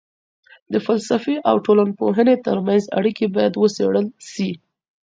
د فلسفې او ټولنپوهني ترمنځ اړیکې باید وڅېړل سي.